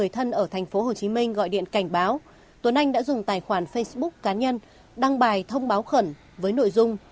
thành phố hồ chí minh gọi điện cảnh báo tuấn anh đã dùng tài khoản facebook cá nhân đăng bài thông báo khẩn với nội dung